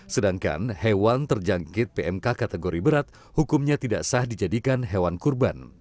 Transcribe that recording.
sedangkan hewan terjangkit pmk kategori berat hukumnya tidak sah dijadikan hewan kurban